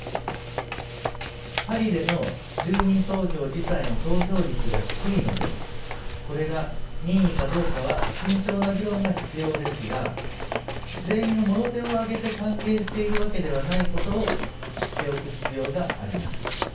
パリでの住民投票自体の投票率が低いのでこれが民意かどうかは慎重な議論が必要ですが全員がもろ手を挙げて歓迎しているわけではないことを知っておく必要があります。